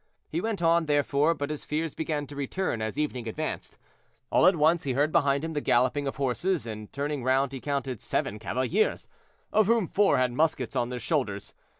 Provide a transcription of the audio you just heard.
He went on, therefore, but his fears began to return as evening advanced. All at once he heard behind him the galloping of horses, and turning round he counted seven cavaliers, of whom four had muskets on their shoulders.